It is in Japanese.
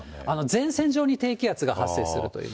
前線上に低気圧が発生するという。